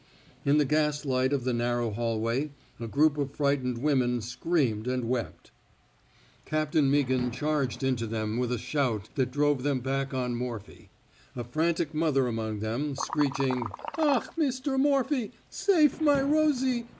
In the ga^ light of the narrow hallway, a group of frightened women screamed and wept. Captain Meaghan charged into them with a shout that drove them back on Morphy. A frantic mother among them — screeching, *^ Ach, Mr. Morphy, sate my Eosie!